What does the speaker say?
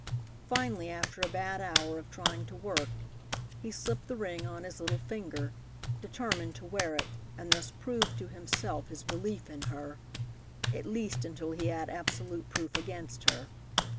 Finally, after a bad hour of trying to work, he slipped the ring on his little finger, determined to wear it and thus prove to himself his belief in her, at least until he had absolute proof against her.